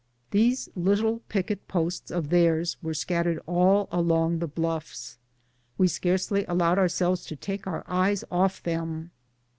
These little picket posts of theirs were scattered all along the bluffs. We scarcely allowed ourselves to take our eyes off them.